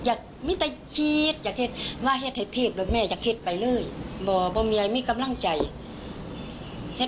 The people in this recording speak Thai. ไปหาห่อเทียนนี้จากเทียร์ค่ะคุณแม่